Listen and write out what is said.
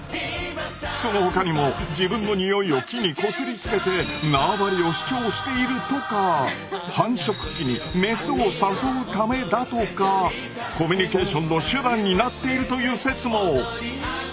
その他にも自分のにおいを木にこすりつけて縄張りを主張しているとか繁殖期にメスを誘うためだとかコミュニケーションの手段になっているという説も。